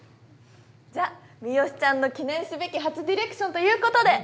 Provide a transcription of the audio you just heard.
じゃあ三好ちゃんの記念すべき初ディレクションということで。